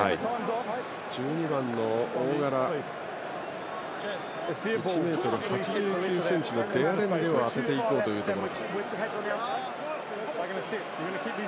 １２番、大柄な１ｍ８９ｃｍのデアレンデを当てていこうというところ。